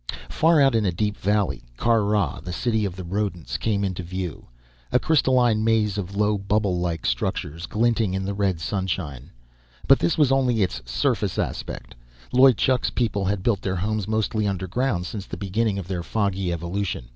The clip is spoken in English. Far out in a deep valley, Kar Rah, the city of the rodents, came into view a crystalline maze of low, bubble like structures, glinting in the red sunshine. But this was only its surface aspect. Loy Chuk's people had built their homes mostly underground, since the beginning of their foggy evolution.